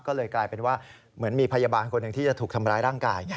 ก็เลยกลายเป็นว่าเหมือนมีพยาบาลคนหนึ่งที่จะถูกทำร้ายร่างกาย